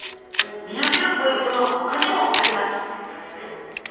見分けるポイントはほかにもあります。